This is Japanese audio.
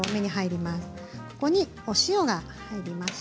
ここに塩が入ります。